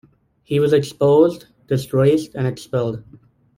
He was exposed, disgraced and expelled.